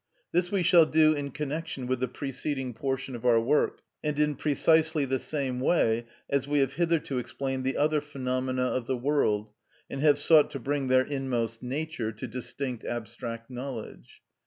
This we shall do in connection with the preceding portion of our work, and in precisely the same way as we have hitherto explained the other phenomena of the world, and have sought to bring their inmost nature to distinct abstract knowledge.